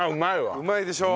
うまいでしょう。